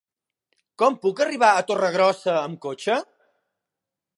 Com puc arribar a Torregrossa amb cotxe?